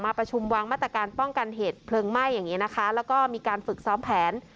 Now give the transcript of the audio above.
ประชุมวางมาตรการป้องกันเหตุเพลิงไหม้อย่างนี้นะคะแล้วก็มีการฝึกซ้อมแผน